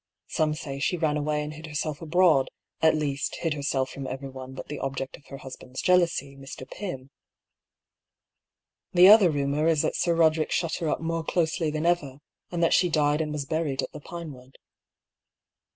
Some say she ran away and hid herself abroad : at least, hid herself from everyone but the object of her husband's jealousy, Mr. Pym. The other rumour is that Sir Boderick shut her up more closely than ever, and that she died and was buried at the Pinewood."